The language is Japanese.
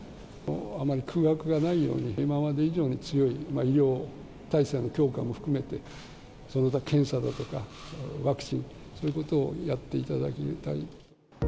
あまり空白がないように、今まで以上に強い医療体制の強化も含めて、検査だとかワクチン、そういうことをやっていただきたい。